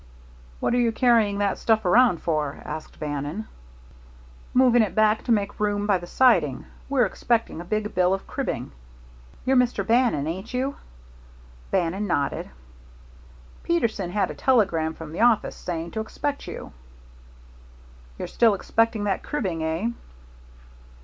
"What are you carrying that stuff around for?" asked Bannon. "Moving it back to make room by the siding. We're expecting a big bill of cribbing. You're Mr. Bannon, ain't you?" Bannon nodded. "Peterson had a telegram from the office saying to expect you." "You're still expecting that cribbing, eh?"